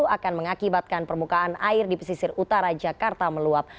akan mengakibatkan permukaan air di pesisir utara jakarta meluap